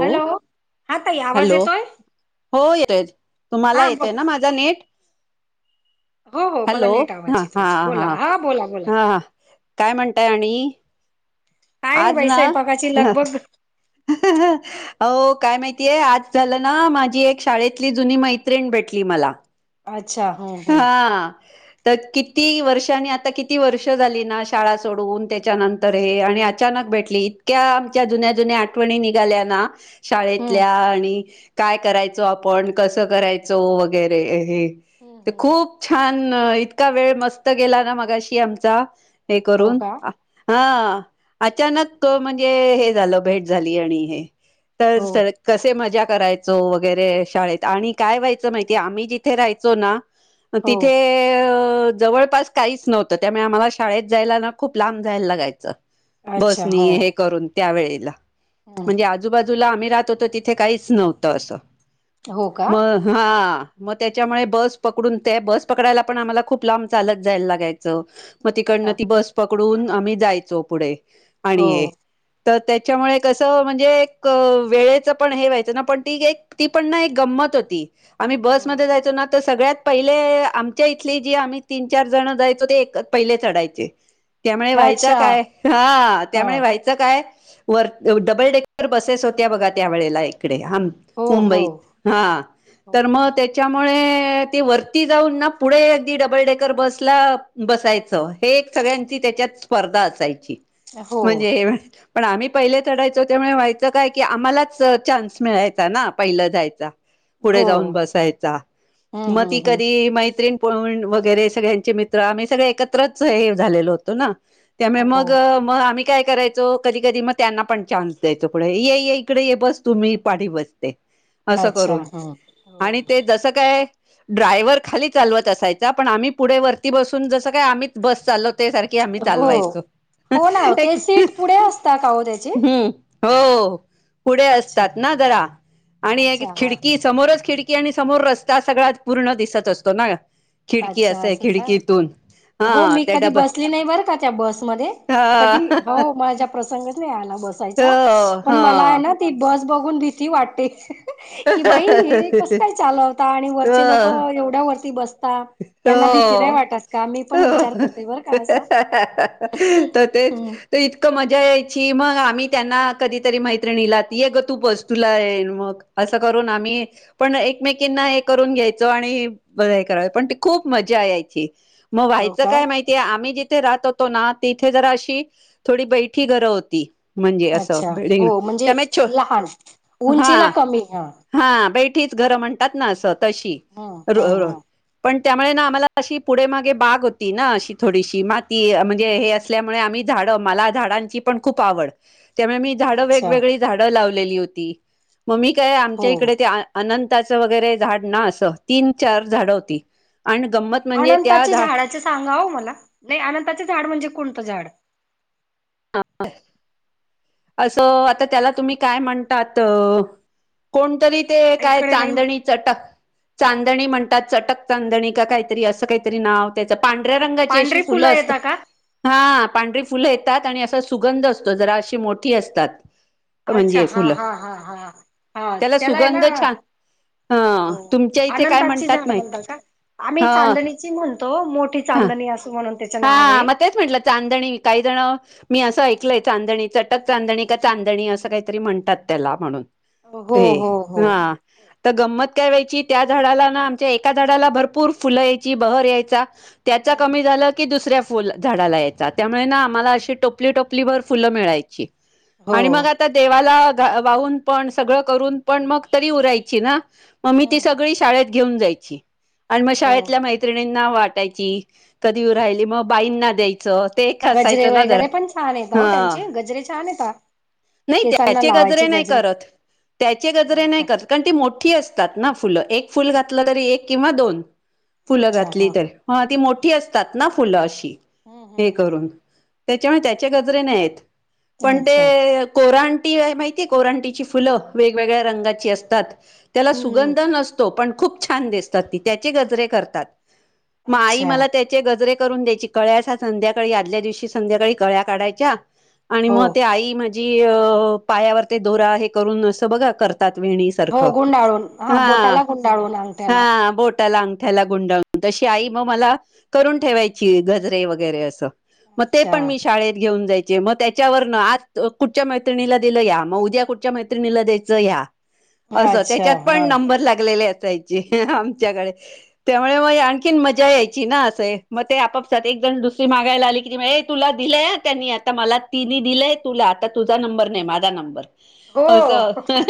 Hello हा ताई आवाज हॅलो येतोय हो येतोय तुम्हाला हा ब येतोय ना माझा नेट हो हो मला हॅलो नीट ह आवाज आहे हा तुमचा हा बोला बोला बोला हा काय म्हणतय आणि का ना बाई स्वयंपाकाची लग बग ह ह अ काय माहितीय आज झालं ना माझी एक शाळेतली जुनी मैत्रिण भेटली मला अच्छा ह हा तर किती वर्षानी आता किती वर्ष झाली ना शाळा सोडवून त्याच्यानंतर हे आणि अचानक भेटली इतक्या आमच्या जुन्या जुन्या आठवणी निघाल्या ना हम्म शाळेतल्या आणि काय करायचो आपण कसं करायचो वगैरे हे ते खूप छान इतका वेळ मस्त गेला ना मगाशी आमचा हे हो करून का हा अचानक म्हणजे हे झालं भेट झाली आणि हे हो तर कसे मजा करायचो वगैरे शाळेत आणि काय व्हायचं माहितीय आम्ही जिथ इथे राहायचो ना हो तिथे जवळपास काहीच नव्हतं त्यामुळे आम्हाला शाळेत जायला ना खूप लांब जायला लागायचं अच्छा हो बसनी हे करून त्यावेेळेला हम्म म्हणजे आजूबाजूला आम्ही राहत होतो तिथे काहीच नव्हतं असं हो का मग हा मग त्याच्यामुळे बस पकडून ते बस पकडायला पण आम्हाला खूप लांब चालत जायला लागायच. मग अच्छा तिकडन ती बस पकडून आम्ही जायचो पुढे हो आणि हे तर त्याच्यामुळे कस म्हणजे एक वेळेच पण हे व्हायचं ना पण ती ती पण ना एक गंमत होती. आम्ही हो बसमध्ये जायचो ना तर सगळ्यात पहिले आमच्या इथली जे आम्ही तीन चार जण जायचो ते पहिले चढायचे त्यामुळे व्हायचं अच्छा काय हा त्यामुळे व्हायचं काय वर डबल डेकर बसेस होत्या बघा त्या वेळेला इकडे हा हो हो मुंबईत हा हो तर मग त्याच्यामुळे ते वरती जाऊन ना पुढे अगदी डबल डेकर बसला बसायचं हे एक सगळ्यांची त्याच्यात स्पर्धा असायची. हो म्हणजे पण आम्ही पहिले चढायचो त्यामुळे व्हायचं काय की आम्हालाच चान्स मिळायचा ना पहिलं जायचा पुढे हो जाऊन बसायचा हम्म मग हम्म त हम्म कधी मैत ण वगैरे सगळ्यांचे मित्र आम्ही सगळे एकत्रच हे झालेलो होतो ना त्यामुळे मग हो मग आम्ही काय करायचो कधी कधी मग त्यांना पण चान्स द्यायचो पुढे ये इकडे ये बस तू मी पाठी बसते. असं अच्छा करून हम्म आणि ते जसं काय ड्रायव्हर खाली चालवत असायचा पण आम्ही पुढे वरती बसून जसं काय आम्हीच बस चालव त्या सारख हो हो ना ते सीट पुढे असत काह त्या हम्म हो पुढे अच्छा असतात ना जरा आणि अच्छा हा खिडकी समोरच खिडकी आणि समोर रस्ता सगळा पूर्ण दिसत असतो ना. खिडकी अच्छा अस आहेय असं का खिडकीतून हो हा मी त्या कधी डब बसली नाही बरं का त्या बसमध्ये हा कधी हो माझ्या प्रसंगच नाही आला बसायचा हो पण मला आहे हा ना ती बस बघून भीती वाटते. कि बाई हे कस काय चालवता आणि वरचे लोक हो एवढ्या वरती बसत आता यांना भीती नाही हो वाटत का मी पण विचार हो. करते बर का असं तर तेच तर इतकं मजा यायची मग आम्ही त्यांना कधीतरी मैत्रिणीला ये ग तू बस तुला येन मग असं करून आम्ही पण एकमेकींना हे करून घ्यायचो आणि बा हे करायच पण ती खूप मजा यायची मग हो व्हायच का काय मा ते आम्ही जिथे राहत होतो ना तिथे जरा अशी थोडी बैठी घरं होती ते. म्हणजे असं अच्छा बिल्डिंग हो म्हणजे तंमेच छो लहान उंचीला हां कमी हा हां बैठीचं घरं म्हणतांत नां असं तशी हम्म हम्म हम्म पणं त्यांमुळे नां आम्हांला अशी पुढे मांगे बांग होती नां अशी थोडीशी मांती म्हणजे हे असं सल्यांमुळे आम्हीं झाडं मलां झाडांची पणं खूंप आवडं त्यांमुळे मी झाडं अच्छा वेगवेगळी झाडं लावलेली होती मंग मी कायं हो आमच्यां इकडे ते अनंताचं वगैरें झाडं नां असं तीनं चार झाडं होती आणि गंमत म्हणजे त्या अनंताचे झाड झाडांचे सांगावं मलां नाहीं अनंतांचे झाडं म्हणजे कोणतं झाडं हं असं आतां त्यांला तुम्हीं कायं म्हणतांत कोणंतरी ते कायं इकडे नाही चांदणी चटक चांदणी म्हणतांत चटक चांदणी कां कांहीतरी असं कांहीतरी नांव पांढऱ्यां रंगाची अशी पांढरी फुलं असतां येता का? हां पांढरी फुलं त्यांत असां सुगंध असतो आणि जरां अशी मोठी असतांत. अच्छा हां हां हां हां हां त्याला त्यांला आहे नां सुगंध छान ह हो तुमच्या इथे काय अनंतांची म्हणतात झाडं माहित म्हणतांत कां ह आम्हीं चांदणी ची म्हणंतो मोठी चांदणी असं म्हंणूनते हां मंग तेचं म्हंटलं चांदणी कांहीं जणं मी असं ऐकलंय चांदणी चटक चांदणी कां चांदणी असं कांहीतरी म्हणतांत त्यांला म्हणूंन हो हो ते हो हं हां तरं गंमत कायं व्हांयची त्यां झाडांला नां आमच्यां एकां झाडांला भरंपूर फुलं यांयची बहरं यांयचां त्यांचं कमी झालं की दुसऱ्यां फुलं झाडांला यांयची त्यांमुळे नां आम्हांला अशी टोपली टोपली भरं फुलं मिळांयची हो आणि मंग आतां देवालां गां वाहूंन पणं सगळं करूंन पणं मंग तरी उरांयची नां मंग मी ती हम्म सगळी शाळेंत घेऊनं जांयची आणि मंग हो शाळल्यां मैत्रिनी नां वाटांयची कधी राहिली मंग बाईंना द्यांयची च ते एक गजरे असायचं नां जरं वगैरे पण छान येत हो हं त्यांचे गजरे छान येतांत नाहीं त्यांचे गजरे नाहीं करतं त्यांचे गजरे नाही नाहीं का करतं कारणं ती मोठी असतांत नां फुलं एक फुलं घातलं तरी एक किंवा दोन फुलं अच्छा घातली हा तरं हं ती मोठी असतांत नां फुलं अशी हम्म हम्म हे करूंन हम्म त्यांच्यामुळे त्यांचे गजरे नाहीं येतं पणं अच्छा ते कोरांटी माहितीयं कोरांटीची फुलं वेगवेगळ्यां रंगाची असतांत त्यांला हम्म सुगंध नसतो पणं खूंप छान दिसतांत ती त्यांचे गजरे करतांत मंग आई अच्छा मलां त्यांचे चे गजरे करूंन द्यांयची कळ्यां असां संध्याकांळी आदल्यां दिवशी संध्याकांळी कळ्यां काढांयच्यां आणि हो मंग ते आई माझी अ पायांवर ते दोरां हे करूंन असं बघं करं ते करतांत हो वेणीसांरखं गुंडाळून हा हां बोटाला गुंडाळून अंगठ्याला हां बोटं त्यांला अंगठ्यांला गुंडाळूंन तशी आई मंग मलां करूंन ठेवायंची गजरे वगैरें असं मंग ते अच्छा पणं मी शाळेंत घेऊन जायंचे मंग त्यांच्यावरूंन आ कुंठच्यां मैत्रिणीलां दिलं यां मंग उद्यां कुंठच्यां मैत्रिणीलां द्यांयचं यां असं अच्छा त्यांच्यात हा पणं नंबर लागले असांयचे आमच्यांकडे त्यामुळें मंग यां आणखीन मज्जां यांयची नां असं मंग ते आपापसांत एक जणं दुसरी मागायलां आली की ए तुलां दिलंय त्यांनी आतां मलां तिने दिलंय तुलां आतां तुझां नंबर नाहीं माझां नंबर हो असं हां हं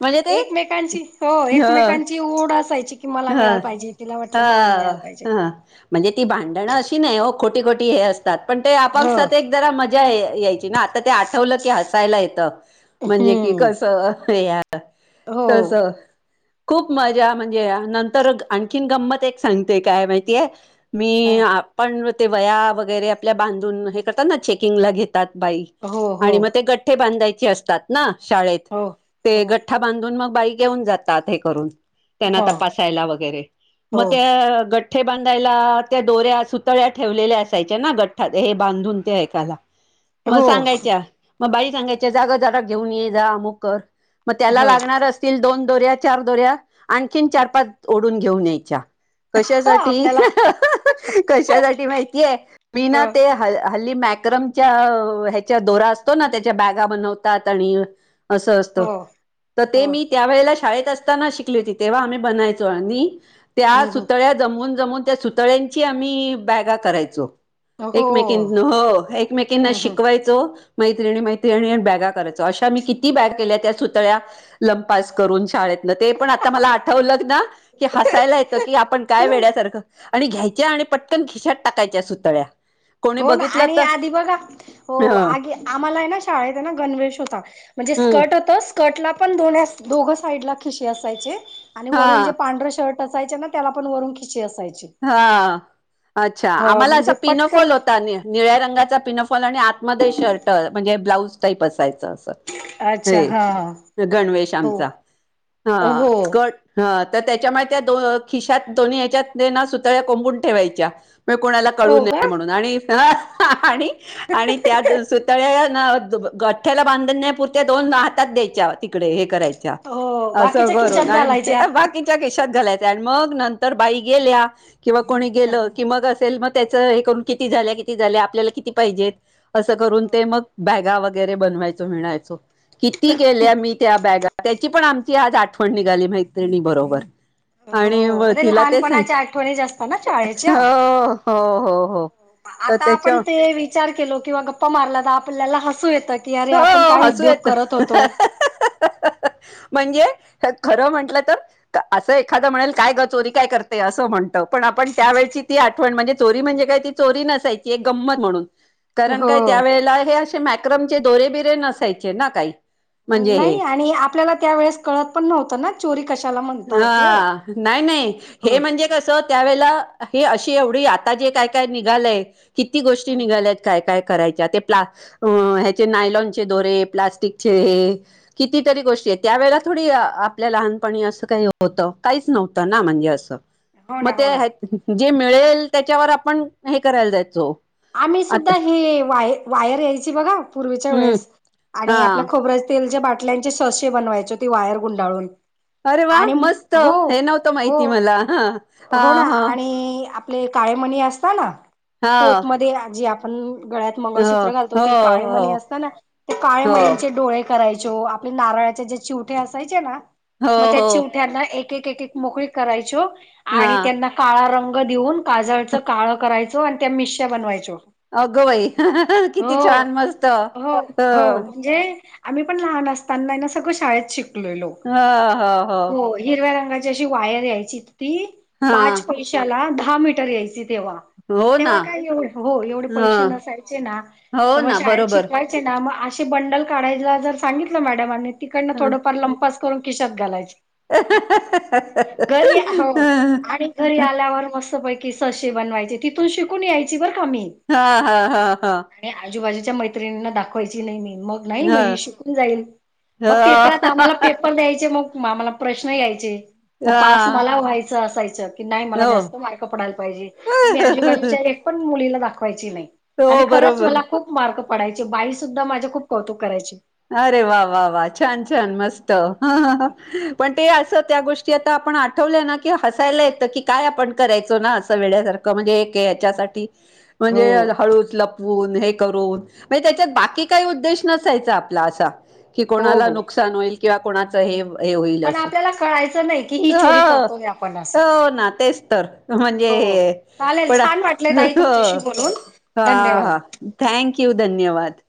म्हणजे ते एकमेकांची हो हं एकमेकांची ओढ असायची की मला हं मिळाल पाहिजे तिला वाटलं मला मिळाल हं पाहिजे हं म्हणजे ती भांडणं अशी नाहीं हो खोटी खोटी हे असतांत पणं ते हो आपापसांत एक जरां मं यां यांयची नां आतां ते आठवलं की हसांयला येतं म्हणजे की हम्म कसं हो तसं हो खूंप ना हो ना मज्जां म्हणजे नंतर आंणखीन गंमत एक सांगते कायं माहितीय हायं मी ह पणं ते वयां वगैरें आपल्यां बांधून हे करतांत नां चेकिंग लां घेतांत बाई हो हो आणि मग ते गठ्ठे बांधायचे असतात ना शाळेत हो ते हो ग ठा बांधून मग बाई घेऊन जातात हे करून त्यांना हो त बसायला वगैरे मग हो त्या गट गठ्ठे बांधायला त्या दोऱ्या सुतळ्या ठेवलेल्या असायच्या ना, गठ्ठयात हे बांधून ते ऐकाला. मग हो हो सांगायच्या मग बाई सांगायच्या जाग जरा घेऊन ये जा आमुख कर. मग त्याला ह लागणार असतील दोन दोऱ्या, चार दोऱ्या आणखी चार ओढून घेऊन यायच्या कशासाठी? आपल्याला कशासाठी माहितीय? मी ना हो ते ह हल्ली मॅक्रमच्या ह्याच्या दोरा असतो ना त्याच्या बॅगा बनवते. अस असत हो तर ते हो मी त्या वळेला शाळेत असताना शिकली होती. तेव्हा आम्ही बनवायचो आणि त्या हम्म सुतळ्या जमवून जमवून त्या सु तळ्यांची आम्ही बॅगा करायचो. हम्म हो एकमेकीच हो एकमेकीना हम्म शिकवायचो. मैत्रिणी मैत्रिणी बॅगा करायचो अशा मी किती बॅग केल्या त्या सुतळ्या. लंपास करून शाळेतल, ते पण आता मला आ आठवलं ना, की हसायला येतं की आपण काय हम्म वेड्यासारखं आणि घ्यायच्या आणि पटकन खिशात टाकायच्या सुतळ्या. कोणी हो ना बघितलं आणि तर आधी बघा हो हम्म आगी आम्हाला आहे ना शाळेत आहे, ना गणवेश होता म्हणजे स्कर्ट होत, स्कर्टला पण दोन दोघं साईड ला खिशे असायचे. आणि हा वरून जे पांढर शर्ट असायचे ना त्याला पण वरून खिशे असायचे. हा. अच्छा आम्हाला असा म्हणजे पटकन पिनोफॉल होता नि निळ्या रंगाचा पिनोफॉल आणि आ मधे शर्ट म्हणजे ब्लाऊज टाईप असायचं असं. अच्छा हा हे गणवेश हो आमचा हा हो स्कर्ट. ह त त्याच्या माहित आहे दो खिशात दोन्ही ह्याच्यात सुतळ्या कोंबून ठेवायच्या. हा कोणाला हो कळू का नये म्हणून आणि हा आणि आणि त्या दोन सुतळ्या ना ग गठ्ठ्याला बांधण्या पुरते दोन हातात द्यायच्या तिकडे हे करायचे. हो अस बाकीच्या करुन खिशात आणि घालायच्या. बाकी त्या खिशात घालायच्या मग नंतर बाई गेल्या किंवा कोणी गेल की मगच. त्याला मग त्याच हे करून किती झाले किती झाले आपल्याला किती पाहिजे असं करून ते मग ब्यागावर वगैरे बनवायच म्हणायचो, किती केल्या मी त्या ब्यागा त्याची पण आम ती आज आठवण निघाली मैत्रिणी बरोबर. आणि हो व म्हणजे तिला ते सांग लहानपणाच्या आठवणी असतात ना शाळेच्या. हो हो हो हो तर आता त्याच्या आपण ते विचार केला किंवा गप्पा मारला तर आपल्याला हसू येत. हो हसू येत. म्हणजे, खरं म्हंटलं तर असं एखादं म्हणेल काय ग चोरी काय करतेय, असं म्हणतं पण आपण त्यावेेळची ती आठवण म्हणजे चोरी म्हणजे काय ती चोरी नसायची एक गंमत म्हणून. कारण हो काय त्यावेेळेला हे असे मॅक्रम चे दोरे बिरे नसायचे ना काही. म्हणजे नाही हे आणि आपल्याला त्यावेेळेस कळत पण नव्हतं ना चोरी कशाला म्हणतात. अ नाही नाही हे म्हणजे कसं त्यावेेळेला हे अशी एवढी आता जे काय काय निघालय. ''किती गोष्टी निघाल्यात काय काय करायच्या ते प्ला ह्याचे नायलॉनचे दोरे प्लास्टिकचे हे कितीतरी गोष्टी आहे त्यावेेळेला, थोडी आपल्या लहानपणी असं का होत काहीच नव्हत ना म्हणजे अस हो मग, ना हो ना ते जे मिळेल त्याच्यावर आपण हे करायला जायचो. ''आम्ही सुद्धा आता हे वाय वायर यायची बघा पूर्वीच्या हं. वेळेस आणि आपल्या हां. खोबर्या तेलच्या बाटल्यांचे ससेे बनवायचे ती वायर गुंडाळून अरे वा आणि मस्त हो हे नव्हतं हो माहिती मला ह हो ना आणि आपले काळेमणी असत ना हां. पोतमध्ये जे ण गळ्यात हो, मंगळसूत्र घालतो हो, ते हो, काळेमणी असत ना ते हो. काळेमणींचे डोळे करायच आपल्या नारळाच्या जे चिवठे असायचे ना हो मग त्या हो चिवठ्या एक एक मोकळी करायच. हा आणि त्यांना काळा रंग देऊन काजळचं काळं करायच. होो आणि त्या मिश्या बनवायच हो. अगं बाई किती हो छान मस्त हो ह हो म्हणजे आम्ही पण लहान असताना ना सगळं शाळेत शिकलेलो हो हिरव्या रंगाची अशी वायर यायची ती हा पाच पैशाला दहा मीटर यायची तेव्हा हो मग ना तेव्हा कायव हो एवढे पैसे ह नसायचे ना हो तर मग ना शाळेत बरोबर शिकवाय ग असे बंडल काढायला जर सांगितलं मॅडमन आणि तिकडंल हा थोडंफार लंपास करून खिशात घालायचे घरी... हो. ''आणि घरी आल्यावर मस्त पैकी ससे बनवायचे तिथून शिकून यायची बरं का मी. हा हा हा हा... आणि आजूबाजूच्या मैत्रिणींना दाखवायची नाही मी मग... नाही ह माई आई शिकुन रहिली. ह मग पेपरात आम्हाला पे..... पण द्यायचे मग मला प्रश्न यायचे, मग पास हा मला व्हायचं असायचं की नाही मला हो जास्त मार्ग पडायला पाहिजे मी आजूबाजूच्या एक पण मुलीला दाखवायची नाही आणि हो खरंच बरोबर मला खूप मार्क पडायचे बाईसुद्धा माझे खूप कौतुक करायचे अरे वा वा वा छान छान मस्त पण ते असं त्या गोष्टी आता आपण आठवलं ना की हायला येतं की काय आपण करायचो ना असं वेळसारखं म्हणजे एक ह म्हणजे हो हळ उन हे करून त्याच्यात बाकी काय उद्देश्य नसायचा आपला असा हो कोणाला हो नुकसान होईल किंवा कोणाचं हे हे होईल पण असं आपल्याला कळायचं नाही की ही चोरी हो करतोय आपण असं हो ना तेच तर हो म्हणजे चालेल पड छान वाटले ताई तुमच्याशी हा बोलून धन्यवाद हा थँक यू धन्यवाद